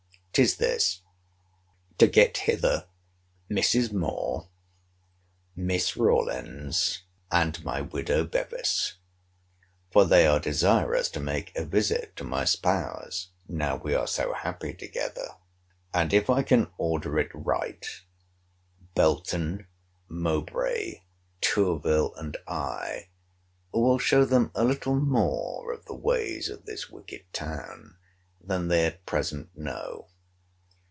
—'Tis this—to get hither to Mrs. Moore, Miss Rawlins, and my widow Bevis; for they are desirous to make a visit to my spouse, now we are so happy together. And, if I can order it right, Belton, Mowbray, Tourville, and I, will show them a little more of the ways of this wicked town, than they at present know.